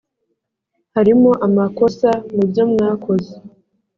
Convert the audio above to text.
harimo amakosa mubyomwakoze.